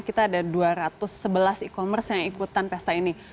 kita ada dua ratus sebelas e commerce yang ikutan pesta ini